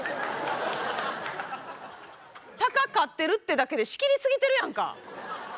鷹飼ってるってだけで仕切り過ぎてるやんか。